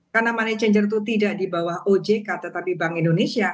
karena money changer itu tidak di bawah ojk tetapi bank indonesia